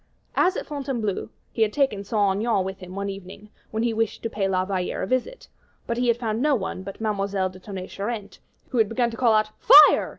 As at Fontainebleau, he had taken Saint Aignan with him one evening when he wished to pay La Valliere a visit; but he had found no one but Mademoiselle de Tonnay Charente, who had begun to call out "Fire!"